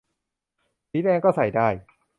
สีแดงก็ใส่ได้